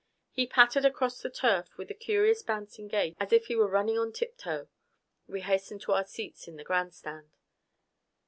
He pattered across the turf with a curious bouncing gait as if he were running on tiptoe. We hastened to our seats in the grandstand.